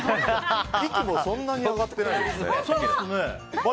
息もそんなに上がってないですね。